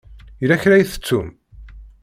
Yella kra i tettum?